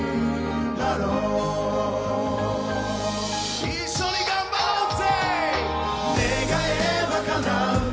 一緒に頑張ろうぜ！